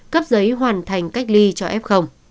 cấp giấy hoàn thành cách ly cho f